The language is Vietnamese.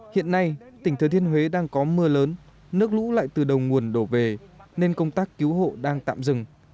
hiện nay tỉnh thừa thiên huế đang có mưa lớn nước lũ lại từ đầu nguồn đổ về nên công tác cứu hộ đang tạm dừng